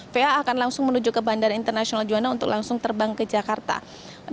va akan langsung menuju ke bandara internasional juwana untuk langsung terbang ke jawa timur